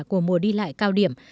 của mùa đi lại cao điểm